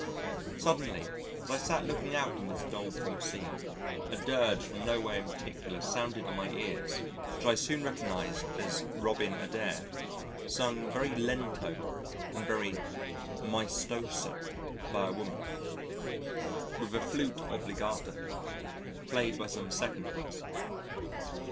Suddenly as I sat looking out on this doleful scene, a dirge from nowhere in particular sounded on my ears which I soon recognised as "Robin Adair," sung very lento and very maestoso by a woman, with a flute obligato played by some second person.